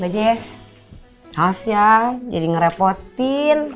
ba'jis maaf ya jadi ngerepotin